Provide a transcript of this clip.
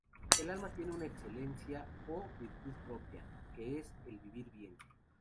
El alma tiene una excelencia o virtud propia, que es el vivir bien.